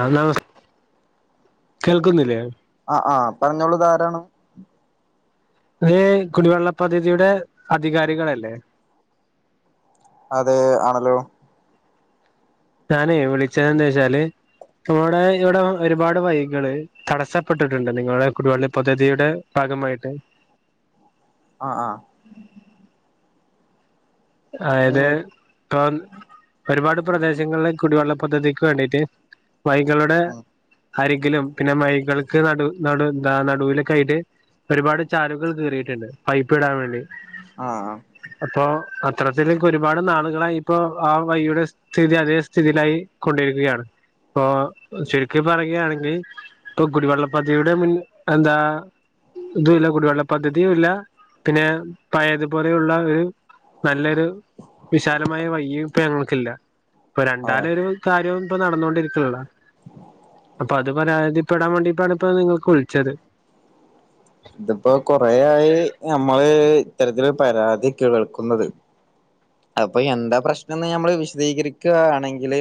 ആന്നാ ആ ആ പറഞ്ഞോളൂ ഇതാരാണ്. ഇത് കുടിവെള്ള പദ്ധതിയുടെ അധികാരികൾ അല്ലേ. അതെ ആണല്ലോ. ഞാന് വിളിച്ചത് എന്ന് വെച്ചാല്, ഇവിടെ ഇവിടെ ഒരുപാട് വഴികൾ തടസ്സപ്പെട്ടിട്ടുണ്ട്, നിങ്ങളുടെ കുടിവെള്ള പദ്ധതിയുടെ ഭാഗമായിട്ട്. ആ ആ. അതായത്. ഏഹ് ക്കാന്ന്. [unintelligible] ഒരുപാട് പ്രദേശങ്ങളിൽ. കുടിവെള്ള പദ്ധതിക്ക് വേണ്ടിയിട്ട്. വഴികളുടെ അരികിലും പിന്നെ വഴികൾ ക്ക് നടു നടു നടുവില് കൈയില്. ഒരുപാട് ചാലുകൾ കേറിയിട്ടുണ്ട് വഴി ഇപ്പ ഇടാൻ വേണ്ടി. ആഹ് എപ്പോ ആണ്. സ്ഥലത്തില് ഒരുപാട് നാൾ നാളുക്കളായി ഇപ്പോ ആ വഴിയുടെ സ്ഥിതി അതേ സ്ഥിതിയിലായി കൊണ്ടിരിക്കുകയാണ്. ഇപ്പോ ചുരുക്കിപ്പറയുകയാണെങ്കിൽ ഇപ്പ കുടിവെള്ള പദ്ധതിയുടെ മുൻ എന്താ ഒന്നുമില്ല കുടിവെള്ള പദ്ധതിയും ഇല്ല. പിന്നെ പഴയതുപോലെ ഉള്ള ഒരു നല്ലൊരു വിശാലമായ വഴിയിപ്പ ഞങ്ങള് ഇല്ല രണ്ടു ആഹ് ആളുകളുടെയും കാര്യം കാര്യം. ഇപ്പൊ നടന്നോണ്ടിരിക്കണടാ. അപ്പോ അത് പറയാൻ അതിപ്പെടാൻ വേണ്ടിപ്പയാണിപ്പ നിങ്ങൾക്ക് വിളിച്ചത്. ഇതിപ്പം കൊറെയായി നമ്മെള് ഇത്തരത്തിലു പരാതി കേൾക്കുന്നത്. അപ്പ എന്താ പ്രശ്നം ന്ന് നമ്മെള് വിശദീകരിക്കുവാണെങ്കില്.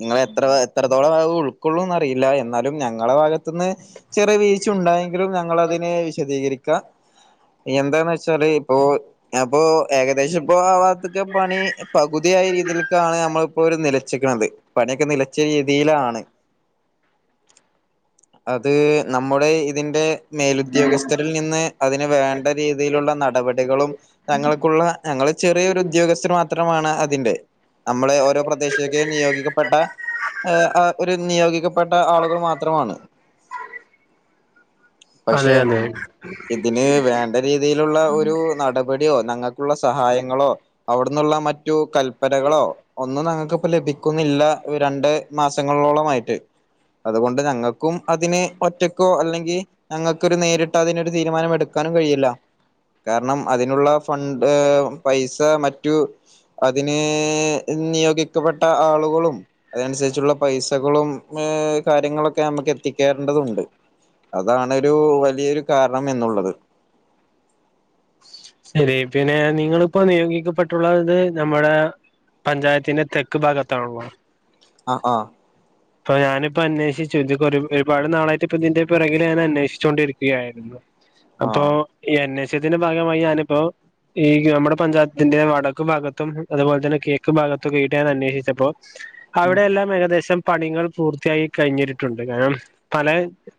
നിങ്ങള് എത്ര എത്രത്തോളമാവും. ഉൾക്കൊളളൂന്നറിയില്ല. എന്നാലും ഞങ്ങെടെ ബാഗത്തുന്ന് ചെറിയ വിഴ്ച്ചയുണ്ടായെങ്കിലും ഞങ്ങളതിനെ വിശദീകരി എന്താന്ന് വെച്ചാല് ഇപ്പോ അപ്പോ ഏകദേശിപ്പോ. പണി പകുതിയായ രീതിയേൽക്കാണ് നമ്മെള് ഇപ്പരു നിലച്ചേക്കണത്. പണിക്കെ നിലച്ച രീതിയിലാണ്. അത് നമ്മെടെയിതിന്റെ. മേലുദ്ദ്യോഗസ്ഥരിൽ നിന്ന് അതിന് വേണ്ട രീതിയിലൊള്ള നടപടികളും, ഞങ്ങൾക്കുള്ള ഞങ്ങള് ചെറിയൊരുദ്യോ സ്റ്റ് മാത്രമാണ് അതിന്റെ. നമ്മെള് ഓരോ പ്രദേശവൊക്കെയും നിയോഗിക്കപ്പെട്ട ആഹ് ആ ഒര് നിയോഗിക്കപ്പെട്ടയാളുകൾ മാത്രമാണ്. അതെ പക്ഷേ, അതെ ഇതിന് വേണ്ട രീതിയിലുളള ഒരു നടപടിയോ ഞങ്ങെക്കുള്ള സഹായങ്ങളോ. അവെടെന്നുളള മറ്റ് കൽ കൽപ്പനകളോ ഒന്നും ഞങ്ങെക്ക് ലെഭി ഒന്നില്ല. ഉ രണ്ട് മാസങ്ങളോളമായ്റ്റ്. അതുകൊണ്ട് ഞങ്ങെക്കും അതിനെ ഒറ്റക്കോ അല്ലെങ്കി ഞങ്ങക്കൊര് നേരിട്ടതിനൊരു തീരുമാനമെടുക്കാനും കഴികേയില്ല. കാരണം അതിനുളള ഫ ഫണ്ട് പൈസമ റ്റു അതിന് നിയോഗിക്കപ്പെട്ട ആളുകളും അതനുസരിച്ചുള്ള പൈസകളും കാര്യങ്ങളൊക്കെ നമ്മക്ക് എത്തിക്കേണ്ടതുണ്ട്. അതാണൊരു വലിയൊരു കാരണം എന്നുള്ളത്. ശെരി. പിന്നെ നിങ്ങളിപ്പോ നിയോഗിക്കപ്പെട്ടുള്ളത് നമ്മെടെ പഞ്ചായത്തിന്റെ തെക്ക് ബാഗത്താണല്ലോ? ആ ആ പ്പ ഞാനിപ്പന്വേക്ഷിച്ചു. ജ് കൊറെ പ്പ ഒരുപാട് നാളായിട്ടൊക്കെതിന്റെ പെറകില് ഞാൻ അന്വേക്ഷിച്ചൊണ്ടിരിക്കയായിരുന്നു. ആ അപ്പോ ഈ അന്വേ ഇതിന്റെ ബാഗമായി ഞാനിപ്പോ ഈ നമ്മെടെ പഞ്ചായത്തിന്റെ വടക്ക് ബാഗത്തും അത് പ്പോലെത്തന്നെ കിയക്ക് ബാഗത്തും വീട് ഞാനന്വേക്ഷിച്ചപ്പോ. അവെടെല്ലാം ഏകദേശം പണികൾ പൂർത്തിയായി കഴിഞ്ഞിരിട്ടിട്ടൊണ്ട്. കാരണം പല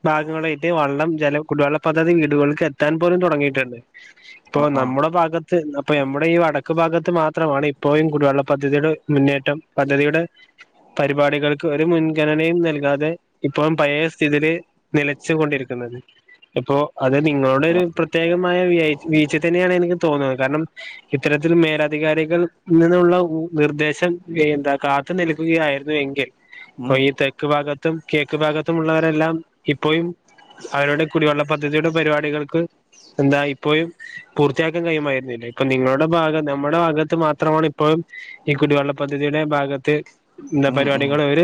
ബാഗങ്ങളിക്ക് വള്ളം, ജലം, കുടിവെളള പദ്ധതി വീടുകളിലേക്കെത്താൻ പോലും തെടങ്ങിട്ടേള്ളേ. ഇപ്പോ ആ ആ നമ്മെടെ ബാഗത്ത് നിന്നപ്പം നമ്മെടെയി വടക്ക് ബാഗ ത്ത് മാത്രാണ് ഇപ്പോഴും കുടിവെള്ളപദ്ധതിടെ മുന്നേറ്റം. പദ്ധതിടെ പരിപാടികൾ ക്കൊര് മുൻഗണനയും നൽകാതെ ഇപ്പോ പയേ സ്ഥിതിയില് നിലച്ചു കൊണ്ടിരിക്കുന്നത്. ഇപ്പോ അത് നിങ്ങളോടൊര് പ്രത്യേകമായ ബിയൈ ബീച്ചിത്തന്നെയാണെന്നെനിക്ക് തോന്നണത്. കാരണം. ഇത്തരത്തിൽ മേലാധിക്കാരികൾ നിന്നൊള്ള നിർദ്ദേശം ന്താ കാത്ത് നിൽക്കുകയായിരുന്നുവെങ്കിൽ. പ്പയി തെക്ക് ബാഗത്തും കേക്ക് ബാഗത്തും ഉള്ളവരെല്ലാം ഇപ്പോഴും അവരുടെ കുടിവെള്ള പദ്ധ് തിയുടെ പരിപാടികൾക്ക് എന്തായിപ്പോഴും പൂർത്തിയാക്കാൻ കഴിയുമായിരുന്നില്ല. ഇപ്പ നിങ്ങളുടെ ബാഗം നമ്മെടെ ബാഗത്ത് മാത്രമാണ് ഇപ്പോഴും ഈ കുടിവെളള പദ്ധതിയുടെ ബാഗത്ത് എന്താ പരിപാടി നിങ്ങടെഒര്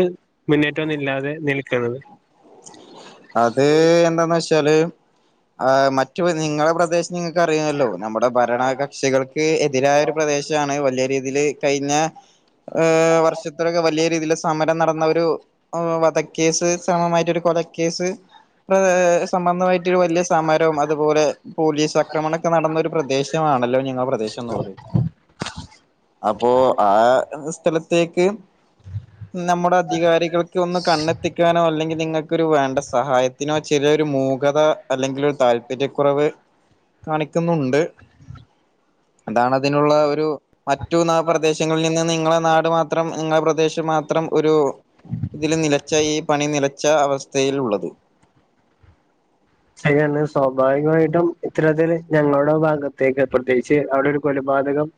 മിനിറ്റൊന്നൂല്ലാതെ നിൽക്ക്ണത് അത് എന്താന്നെച്ചാല് ആ മറ്റ് നിങ്ങളെ പ്രദേശ നിങ്ങക്കറിയാവല്ലോ നമ്മടെ ഭരണകക്ഷികൾക്ക് എതിരായൊരു പ്രദേശമാണ് വല്യൊരു ഇതില് കയ്ഞ്ഞ ഹ് വർഷത്തിലൊക്കെ വലിയ രീതില് സമരം നടന്നൊരു ആ ക്കേസ് ശ്രമമായി വധക്കേസ് അത് സംബന്ധമായിട്ട് ഒരു വല്യ സമരം അത് പോലെ പോലീസ് അക്രമണൊക്കെ നടന്ന ഒരു പ്രദേശമാണല്ലോ നിങ്ങളെ പ്രദേശന്നുള്ളത് അപ്പൊ ആ സ്ഥലത്ത് ത്തേക്ക് നമ്മുടെ അധികാരികൾക്ക് ഒന്ന് കണ്ണെത്തിക്കാനോ അല്ലെങ്കി നിങ്ങ ക്കൊരു വേണ്ട സഹായത്തിനോ ച്ചിരൊരു മൂകത അല്ലെങ്കിലൊരു താല്പര്യകുറവ് കാണിക്കുന്നുണ്ട്. അതാണത്തിനുള്ള ഒരു പറ്റുന്ന പ്രദേശങ്ങളിൽ നിന്ന് നിങ്ങളെ നാട് മാത്രം നിങ്ങളെ പ്രദേശം മാത്രം ഒരു തില് നിലച്ച ഈ പണി നില [unintelligible] സയ്ലുള്ളത് ചെയ്യാന്ന്‌ സ്വാഭാവികായിട്ടും ഇത്തരത്തില് ഞങ്ങളുടെ ഭാഗത്തേക്ക് പ്രത്യേകിച്ച് അവിടൊരു കൊലപാതകം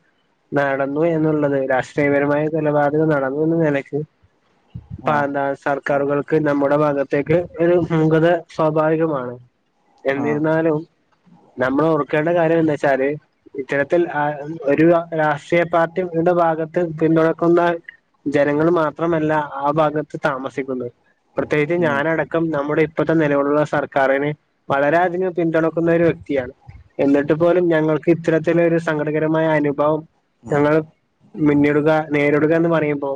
നടന്നു എന്നുള്ളത് രാഷ്ട്രീയ പരമായ കൊലപാതകം നടന്നൂന്ന് നിലക്ക് ആഹ് പാന്താ സർക്കാറുകൾ ക്ക് നമ്മുടെ ഭാഗത്തേക്ക് ഒരു മൂകത സ്വാഭാവികമാണ് ആഹ് എന്നിരുന്നാലും നമ്മള് ക്കേണ്ട കാര്യന്താച്ചാല് [unintelligible] ഒരു രാഷ്ട്രീയ പാർട്ടി ഉണ്ട ഭാഗത്ത്‌ പിന്തുണക്കുന്ന ജനങ്ങള് മാത്രമല്ല ആ ഭാഗത്ത്‌ താമസിക്കുന്നത് പ്രത്യേകിച്ച് ഉം ഞാനടക്കം നമ്മു പ്പത്ത നെലവിലുള്ള സർക്കറിന് പകരാധികം പിന്തുണക്കുന്ന ഒരു വ്യക്തിയാണ് എന്നിട്ട് പോലും ഞങ്ങൾക്ക് ഇത്തരത്തിലൊരു സങ്കടകരമായ അനുഭവം ഞങ്ങള് മിന്നിടുക നേരിടുകാന്ന്‌ പറയുമ്പോ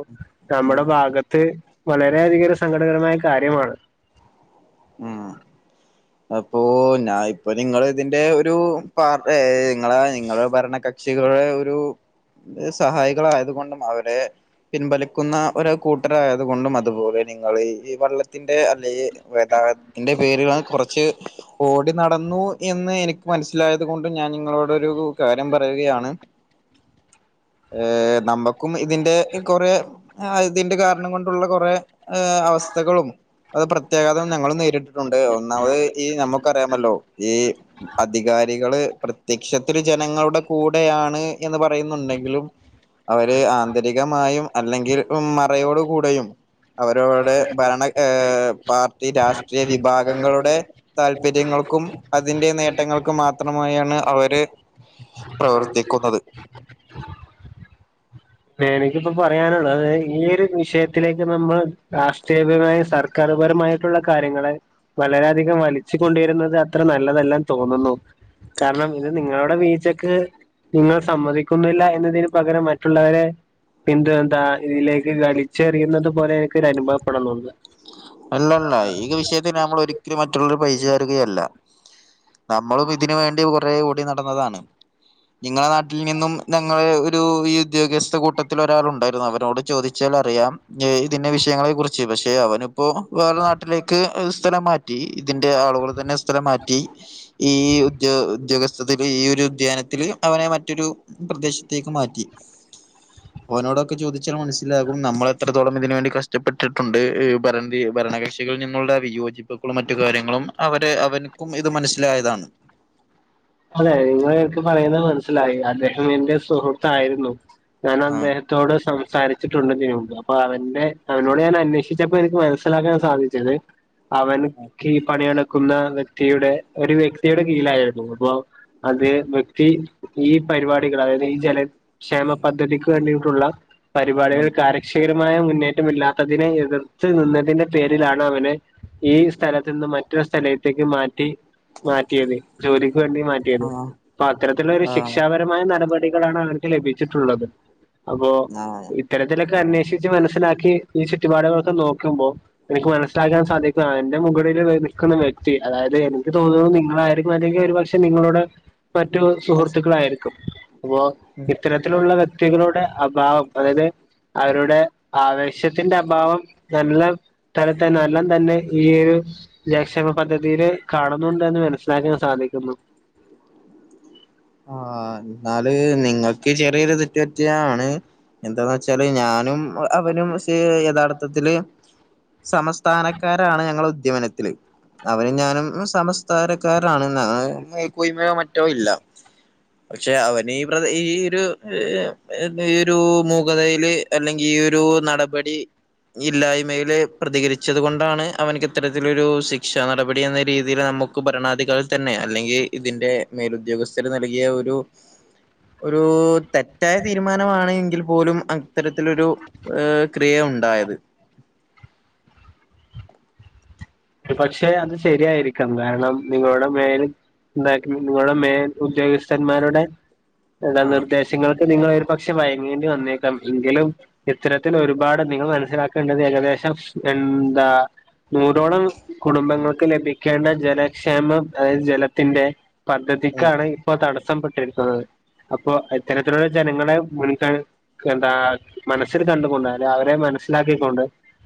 ഉം നമ്മുടെ ഭാഗത്ത്‌ വളരെയധികൊരു സങ്കടകരമായ കാര്യമാണ് മ്മ് അപ്പൊ ഞായിപ്പോ നിങ്ങള് ഇതിന്റെ ഒരു പാർ എ ഏ ങ്ങള് ങ്ങള് പറയുന്ന കക്ഷികള് ഒരു സഹായികലായത് കൊണ്ടും അവരെ പിൻവലിക്കുന്ന ഒരു കൂട്ടരായത് കൊണ്ടും അത് പോലെ നിങ്ങള് ഈ വെള്ളത്തിന്റെ അല്ലെ വെള്ളത്തിന്റെ പേരിലും കോർച്ച് ഓടി നടന്നു എന്ന് എനിക്ക് മനസ്സിലായത് കൊണ്ടും ഞാൻ നിങ്ങളോടൊരു കാര്യം പറയുകയാണ് ഏ നമ്മ ക്കും ഇതിന്റെ കൊറേ ആ ഇതിന്റെ കാരണം കൊണ്ടുള്ള കൊറേ ഹ് അവസ്ഥകളും അ [unintelligible] ഞങ്ങളും നേരിട്ടിട്ടുണ്ട് ഒന്നാമത് ഈ നമ്മക്ക് അറിയാമല്ലോ ഈ അധികാരിക കള് പ്രതെ ക്ഷത്തില് ജനങ്ങളുടെ കൂ ടെയാണ് ന്ന് പറയുന്നുണ്ടെങ്കിലും അവര് ആന്തരികമായും അല്ലെങ്കില് ലും മറയോടുക്കൂടെയും അവരോട് ഭരണ ഏ പാർട്ടി രാഷ്ട്രീയ വിഭാഗങ്ങളുടെ താല്പര്യങ്ങ ക്കും അതിൻ്റെ നേട്ടങ്ങൾക്ക് മാത്ര മായാണ് അവര് പ്രവർത്തിക്കുന്നത് [unintelligible] വേണെങ്കി പ്പം കൊറേ ആണ് ഉള്ളത് ഈ ഒരു വിഷയത്തിലേക്ക് നമ്മൾ രാഷ്ട്രീയഭരമായ സർക്കാരുഭരമായിട്ടുള്ള കാര്യങ്ങളെ വളരാൻ അധികം വലിച്ചുകൊണ്ടിരുന്നത് അത്ര ന നല്ലതല്ലന്ന് തോന്നുന്നു കാരണം ഇനി നിങ്ങളുടെ വീചക്ക് നിങ്ങൾ സമ്മതിക്കുന്നില്ല എന്നതിന് പകരം മ റ്റുള്ളവരെ പിന്ത് എന്താ ഇതിലേക്ക് കളിച്ചെറിയുന്നത് പോലെയെക്കെ എനിക്ക് അനുഭവപ്പെടുന്നുണ്ട്. അല്ല അല്ല ഈ വിഷയത്തിന് നമ്മള് ഒരിക്കലും മറ്റുള്ളവരെ പഴിചാരുകയല്ല. നമ്മളും ഇതിന് വേണ്ടി കുറേ ഒ ഓടി നടന്നതാണ് നിങ്ങടെ നാ ട്ടി നിന്നും ഞങ്ങള് ഒരു വി ഉദ്യോഗസ്ഥ കൂട്ടത്തിലൊരാളുണ്ടായിരുന്നു അവനോട് ചോദിച്ചാൽ അറിയാം ഇതിൻ്റെ വിഷയങ്ങളെ കുറിച്ച് പക്ഷെ അവനും ഇപ്പൊ വേറെ നാട്ടിലേക്ക് സ്ഥലം മാറ്റി ഇതിൻ്റെ ആളുകള് തന്നെ സ്ഥലം മാറ്റി ഈ ഉദ്യോ ഉദ്യോഗസ്ഥില് ഈ ഒരു അധ്യാനത്തില് അവനെ മറ്റൊരു പ്രദേശത്തേക്ക് മാറ്റി അവനോട് ഒക്കെ ചോദിച്ചാൽ മനസ്സിലാവും നമ്മള് എത്രത്തോളം ഇതിന് വേണ്ടി കഷ്ടപ്പെട്ടിട്ടുണ്ട് [unintelligible] ഭരണ കക്ഷികൾ ഞങ്ങളുടെ വിയോചിപ്പക്കുള്ള മറ്റു കാര്യങ്ങളും അവരെ അവന്ക്കും ഇത് മനസ്സിലായതാണ്. അതെ നിങ്ങള് എനിക്ക് പറയണത് മനസ്സിലായി അതെ ൻ്റെ സുഹൃത്തായിരുന്നു ഞാൻ ആഹ് അദ്ദേഹത്തോട് സംസാരി [unintelligible] അപ്പ അവൻ്റെ അവനോട് ഞാൻ അന്വേഷിച്ചപ്പ എനിക്ക് മനസ്സിലാക്കാൻ സാധിച്ചത് അവന്ക്ക് ഈ പണികൾ ക്കുന്ന വ്യക്തിയുടെ ഒരു വ്യക്തിയുടെ കീഴിലായിരുന്നു. അതെ വ്യക്തി ഈ പരുപാടികള്, അതായത് ഈ ജ ക്ഷേമ പദ്ധതിക്ക് വേണ്ടി ട്ടുള്ള പരുപാടികൾ ഉം കാര്യക്ഷകരമായമുന്നേറ്റമില്ലാ അതിന് [unintelligible] നിന്നതിന്റെ പേരിലാ അവനെ ഈ സ്ഥലത്തുന്ന്മറ്റൊ റ്റൊരു സ്ഥലത്തേക്ക് മാറ്റി മാറ്റിയത്. ജോലി [unintelligible] മാറ്റിയത്. ആഹ് അത്തരത്തിലൊരു ആഹ് ശിക്ഷാപരമായ ന പ്പടികളാണ് അവർക്ക് ലഭിച്ചിട്ടുള്ളത്. അപ്പോ, ആഹ് ഇത്തരത്തിലൊക്കെ അന്വേഷിച്ച് മനസിലാക്കി ചുറ്റുപാടുകളൊക്കെ നോക്കുമ്പോ എനിക്ക് മനസിലാക്കാൻ സാധിക്കു, എന്റെ മുകളിലു നിൽക്കുന്ന വ്യക്തി അതായത് തോന്നുന്നത് നിങ്ങള അല്ലെങ്കി ഒരു പക്ഷെ നിങ്ങളുടെ മറ്റു സുഹൃത്തുകളായിരിക്കും. വ ഇത്തരത്തിലുള്ള വ്യക്തികളുടെ അഭാവം അതായത് അവരുടെ ആ സ്ഥാപിക്കുന്നു ആ ന്നാല് നിങ്ങക്ക് ചെറിയൊരു തെറ്റ് പറ്റിയ ആണ്. എന്താന്ന് വെച്ചാല് ഞാനും അവനും സിയയ് യഥാർ ത്തത്തില് സമസ്ഥാനക്കാരാണ് ഞങ്ങള ഉദ്ദീവനത്തില്. അവനും ഞാനും സമസ്ഥാനക്കാരാണ് [unintelligible] മേല് കോയിമയൊ മറ്റൊ ഇല്ല. പക്ഷേ അവനു ഇവിടെ ഈ ഒരു ഒരു മൂകതയില് അല്ലങ്കി ഈ ഒരു നടപടി ഇല്ലായ്മയില് പ്രതികരിച്ച കൊണ്ടാണ് അവനിക്ക് ഇത്തരത്തിലൊരു ശിക്ഷാ നടപടി എന്ന രീതിയില് നമ്മുക്ക് ഭരണാധ ധികളിൽ തന്നെ അല്ലങ്കിൽ ഇതിന്റെ മേലു ഉദ്ദോഗസ്ഥ ചെല് നൽകിയ ഒരു ഒരൂ തെറ്റായ തീരുമാനമാണ് എങ്കിൽ പോലും അത്തരത്തിലൊരു ഏ ക്രിയ ഉണ്ടായത് പക്ഷേ അത് ശരിയായിരിക്കാം കാരണം നിങ്ങളുടെ മേല് ഉണ്ടായിട്ട്ള്ള നിങ്ങളുടെ മേൽ ഉദ്ദേഗസ്ഥൻമാരൊ ചെല ആഹ് നിർദേശങ്ങൾക്ക് നിങ്ങളെരു പക്ഷെ വയങ്ങേണ്ടിവന്നേക്കാം എങ്കിലും ഇത്തരത്തിലൊരുപാട് നിങ്ങള് മനസിലാക്കെണ്ടത് ഏകദേശം എന്താ നൂറോളം കുടുംബങ്ങൾക്ക് ലഭിക്കേണ്ട ജല ക്ഷേമം അതായത് ജലത്തിന്റെ ഉം പദ്ധതിക്കാണ് ഇപ്പ തട ത്തം പെട്ടിരിക്കുന്നത് അപ്പൊ ഇത്തരത്തി ജനങ്ങളെ മുൻ കഴ് എന്താ മനസ്സിൽ കണ്ടു കൊണ്ട് അല അവരെ മനസിലാക്കി കൊണ്ട്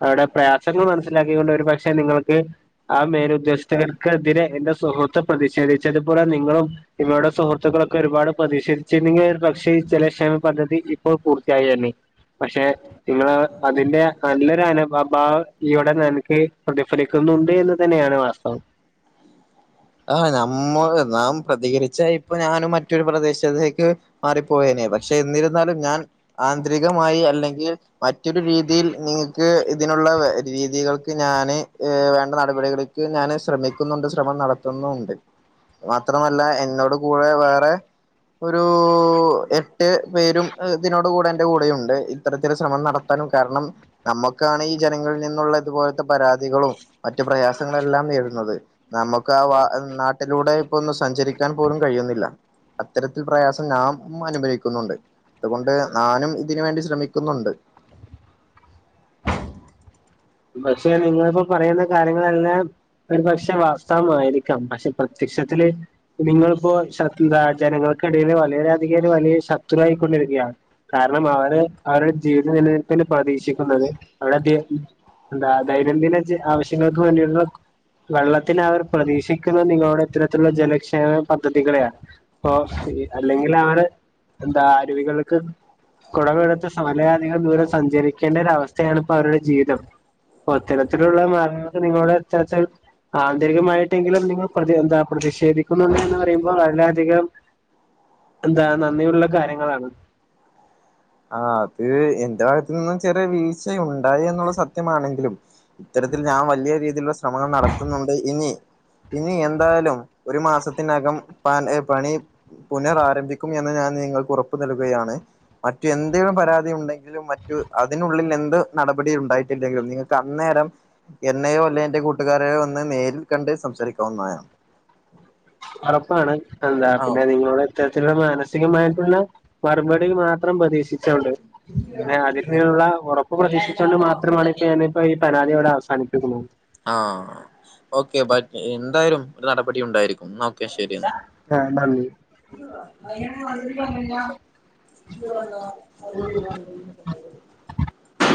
അവിടെ പ്രയാസങ്ങൾ മന ലാക്കി കൊണ്ട് ഒരു പക്ഷെ നിങ്ങൾ ക്ക് ആ മേലുദ്ദേശ്ത്തിനെക്കെതിരെ എന്റെ സുഹു ത്ത് പ്രതിഷേധിച്ചത് പോലെ നിങ്ങളും നിങ്ങളുടെ സുഹൃത്തുക്കളും ക്കൊര്പാട് പ്രതിഷേ ച്ചിണ്ടെങ്കിൽ ഒരു പക്ഷെ ജല ക്ഷേമം പദ്ധതി ഇപ്പൊ പൂർത്തിയായേനെ പക്ഷെ ഇങ്ങള് അതിന്റെ അല്ലര് അന അഭാവം ഇവിടെ നൽകി പ്രതി ഫലിക്കുന്നുണ്ട് എന്ന് തന്നെയാണ് വാസ്തവം ആ നമ്മോള് നാം പ്രതി ആന്തരികമായി അല്ലെങ്കിൽ മറ്റ് ഞാന് ഏ വേണ്ട നടപടികൾക്ക് ഞാന് ശ്രമിക്കുന്നുണ്ട് ശ്രമം നട ത്തുന്നൂണ്ട് മാത്രമല്ല എന്നോട് കൂടെ വേറെ ഒരൂ എട്ട് ചെല ശ്രമം നടത്താനും കാര്ണംനമ്മക്കാണ് ഈ ജനങ്ങൾ നിന്നുള്ള ഇതുപോല ത്ത പരാതികളും മറ്റു പ്രയാസങ്ങളെല്ലാം നേരിട്ന്നത് നമ ക്കാ വാ ന്നാട്ട് അത്തരത്തിൽ പ്രയാസം ഞാം അനുഭവിക്കുന്നുണ്ട് അതുകൊണ്ട് ആനും ഇതിന് വേണ്ടി ശ്രമിക്കുന്നുണ്ട് പക്ഷെ നിങ്ങൾ പ്പൊ പറയുന്ന കാര്യങ്ങെളെല്ലാം ഒരുപക്ഷെ വാസ്ത്തവമായിരി ന്താ ദെയ്നം ദിന ജീ ആവശ്യങ്ങൾക്ക് വേണ്ടിയുള്ള വെള്ളത്തിന് അവർ പ്രതീക്ഷിക്ക്‌ന്നത് നിങ്ങളുടെ ഇത്തരത്തിലുള്ള ജനക്ഷേമ പദ്ധതികളെയാണ് പ്പൊ ഈ അല്ലെങ്കില് ആണ് എന്താ അരുവികൾക്ക് കൊട മെടുത്ത [unintelligible] നിങ്ങൾ ദൂര സഞ്ചാരിക്കേണ്ടൊരു അവസ്ഥയാണ്പ്പൊ അവരുടെ ജീവിതം പ്പൊ ത്തരത്തിലുള്ള മാ [unintelligible] നിങ്ങളുടെ ത്തരത്തിൽ ആന്തരികമായ്ട്ട് എങ്കിലും നിങ്ങൾ പ്രതി എന്താ പ്രതിഷേധിക്കുമെന്ന് റിയുമ്പോ അല്ലധികം എന്താ നന്ദിയുള്ള കാര്യങ്ങളാണ് ആഹ് അത് എന്റെ ഭാഗത്ത്‌ നിന്നും ചെറിയ വീഴ്ച ഉണ്ടായി എന്നുള്ള സത്ത്യമാണെങ്കിലും ഇത്തരത്തിൽ ഞാ വല്ല്യ രീതിൽ ള്ള ശ്രമങ്ങൾ നടത്തുന്നുണ്ട് ഇനി ഇനി എന്തായാലും ഒരു മാസത്തിന്നകം പാ ൻ പണി പുനറാരംഭിക്കും എന്ന് ഞാൻ നിങ്ങൾക്ക് ഉറപ്പ് നൽകുകയാണ് മറ്റു എന്തേലും പരാതി ഉണ്ടെങ്കിലും മറ്റു അതിനുള്ളിൽ എന്ത് നടപടി ഉണ്ടായിട്ടില്ലെങ്കിലും നിങ്ങക്കന്നേരം എന്നെയോ അല്ലേ എന്റെ കൂട്ടുകാര് രെയോ ന്ന് നേരിൽ കണ്ട് സംസാരിക്കാവുന്നയ ഒറപ്പാണ് എന്താ പിന്നെ നിങ്ങളുടെ ത്തെ ത്തിൽ ള്ള മാനസ് സികമായിട്ടുള്ള മറുപടിൽ മാത്രം പ്രതീക്ഷിച്ചോണ്ട് ഏ ആദ്യത്തിലുള്ള ഒറപ്പ് പ്രധീക്ഷിച്ചോണ്ട് മാത്രമാണ് പ്പ ഞാന് പ്പൊ ഈ പരാതി വ്ട അവസാനിപ്പിക്കുന്നു ആഹ് ഓക്കേ ബായ് പ്പ് എന്താലും ഒരു നടപടി ഉണ്ടായിരിക്കും നോ ക്കെ ശെരി ആഹ് നന്ദി.